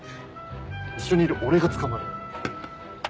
一緒にいる俺が捕まる。